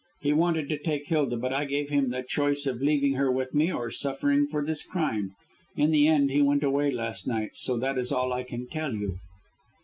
He wanted to take Hilda, but I gave him the choice of leaving her with me, or suffering for his crime. In the end, he went away last night, and so that is all I can tell you."